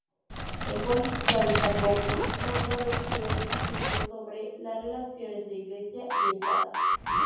En política destacó por sus controvertidos escritos sobre la relación entre iglesia y estado.